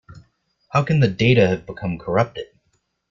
How can the data have become corrupted?